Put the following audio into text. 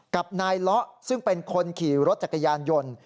กับนายเลาะซึ่งเป็นคนขี่รถจักรยานยนต์